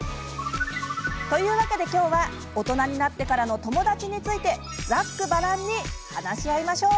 というわけで今日は「大人になってからの友達」について、ざっくばらんに話し合いましょう。